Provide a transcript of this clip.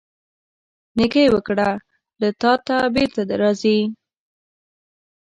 نیکۍ وکړه، له تا ته بیرته راځي.